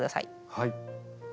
はい。